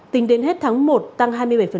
tính đến hết tháng một tăng hai mươi bảy